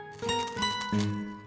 mas aku mau pergi